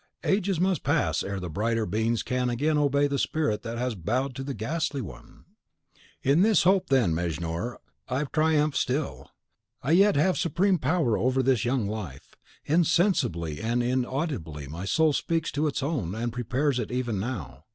Ages must pass ere the brighter beings can again obey the spirit that has bowed to the ghastly one! And .... In this hope, then, Mejnour, I triumph still; I yet have supreme power over this young life. Insensibly and inaudibly my soul speaks to its own, and prepares it even now.